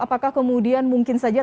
apakah kemudian mungkin saja